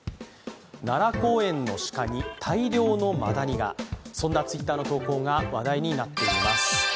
奈良公園の鹿に大量のマダニが、そんなＴｗｉｔｔｅｒの投稿が話題になっています。